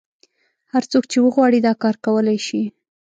هر څوک چې وغواړي دا کار کولای شي.